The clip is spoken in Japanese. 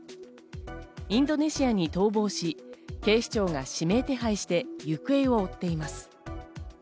インドネシアに逃亡し、警視庁が指名手配して行方を追っています。